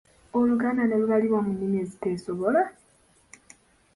Oluganda ne lubalibwa mu nnimi eziteesobola!